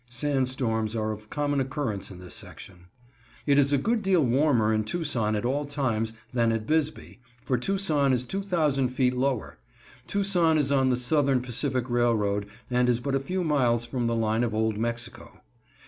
(Sandstorms are of common occurrence in this section.) It is a good deal warmer in Tucson at all times than at Bisbee, for Tucson is 2,000 feet lower. Tucson is on the Southern Pacific Railroad, and is but a few miles from the line of Old Mexico.